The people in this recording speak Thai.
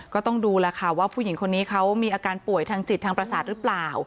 ก็ต้องดูแล้วค่ะว่าผู้หญิงคนนี้เขามีอาการป่วยทางจิตทางประสาทหรือเปล่า